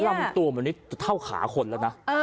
ลำตัวเหมือนเท่าขาคนละนะ